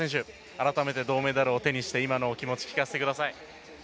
改めて銅メダルを手にして今のお気持ちを聞かせてください。